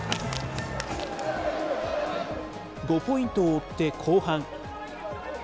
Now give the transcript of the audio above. ５ポイントを追って後半。